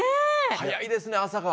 早いですね朝が。